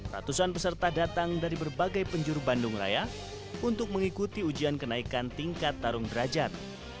ratusan peserta datang dari berbagai penjuru bandung raya untuk mengikuti ujian kenaikan tingkat tarung derajat